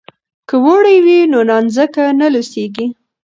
که وړۍ وي نو نانځکه نه لڅیږي.